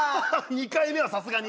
２回目はさすがに。